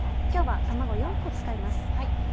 今日は卵４個使います。